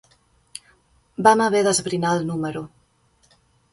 Vam haver d'esbrinar el número.